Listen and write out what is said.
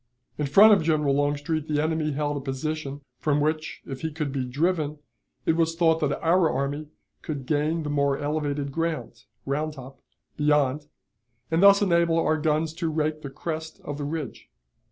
In front of General Longstreet the enemy held a position, from which, if he could be driven, it was thought that our army could gain the more elevated ground (Round Top) beyond, and thus enable our guns to rake the crest of the ridge.